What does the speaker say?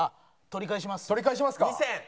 取り返しますか。